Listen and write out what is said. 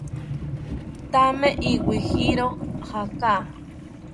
Thame iwijiro jaaka